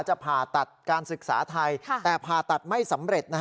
ผ่าตัดการศึกษาไทยแต่ผ่าตัดไม่สำเร็จ